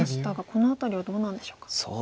この辺りはどうなんでしょうか。